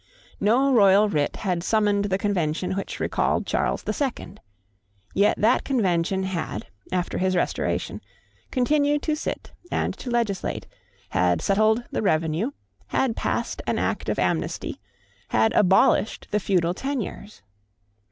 No royal writ had summoned the Convention which recalled Charles the Second. Yet that Convention had, after his Restoration, continued to sit and to legislate, had settled the revenue, had passed an Act of amnesty, had abolished the feudal tenures.